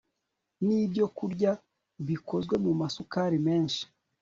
ni ibyokurya bikozwe mu masukari menshi